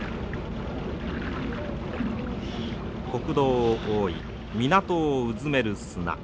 国道を覆い港をうずめる砂。